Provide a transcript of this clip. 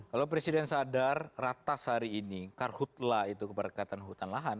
kalau presiden sadar ratas hari ini karhutlah itu keberkatan hutan lahan